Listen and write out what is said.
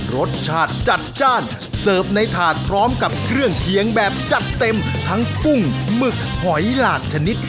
รสชาติจัดจ้านเสิร์ฟในถาดพร้อมกับเครื่องเคียงแบบจัดเต็มทั้งกุ้งหมึกหอยหลากชนิด